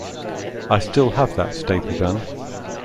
I still have that staple gun.